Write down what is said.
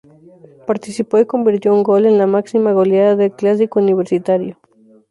Participó y convirtió un gol en la máxima goleada del Clásico Universitario.